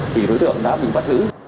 thì đối tượng đã bị phát hữu